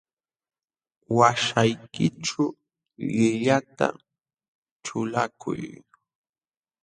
Waśhaykićhu llillata ćhulakuy.